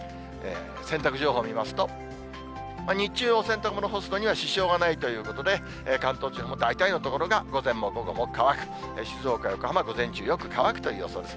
洗濯情報を見ますと、日中、お洗濯物干すのには支障がないということで、関東地方も大体の所が午前も午後も乾く、静岡、横浜、午前中よく乾くという予想です。